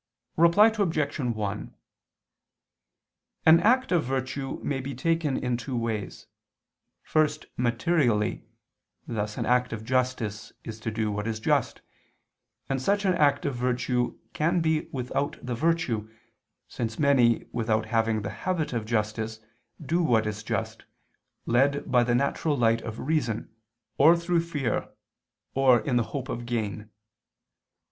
Reply Obj. 1: An act of virtue may be taken in two ways: first materially, thus an act of justice is to do what is just; and such an act of virtue can be without the virtue, since many, without having the habit of justice, do what is just, led by the natural light of reason, or through fear, or in the hope of gain.